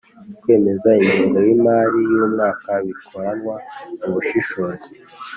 Kwemeza ingengo y imari y umwaka bikoranwa ubushishozi